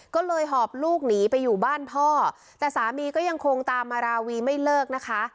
ก็เลยหอบลูกหนีไปอยู่บ้านพ่อแต่สามีก็ยังคงตามมาราวีไม่เลิกนะคะ